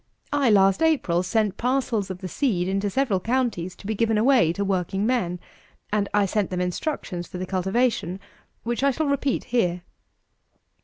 I, last April, sent parcels of the seed into several counties, to be given away to working men: and I sent them instructions for the cultivation, which I shall repeat here.